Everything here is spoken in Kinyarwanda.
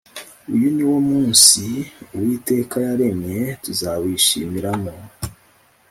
Uyu niwo munsi uwitekayaremye, tuzawishimiramo